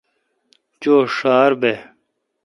چھو ڄھار بہ۔